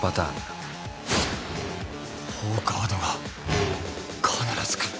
４カードが必ず来る。